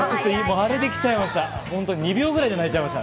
あれで来ちゃいました。